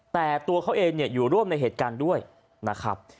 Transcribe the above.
แต่ตัวเขาเองอยู่ร่วมในเหตุการณ์ด้วยนะครับ